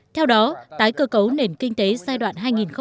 theo đó tái cơ cấu nền kinh tế giai đoạn hai nghìn một mươi sáu hai nghìn hai mươi